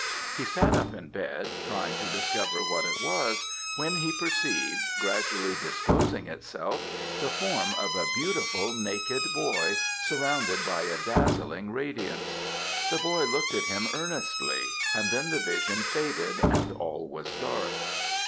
He sat up in bed, trying to discover what it was, when he perceived, gradually disclosing itself, the form of a beautiful naked boy, surrounded by a dazzling radiance. The boy looked at him earnestly, and then the vision faded, and all was dark.